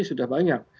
jadi sudah banyak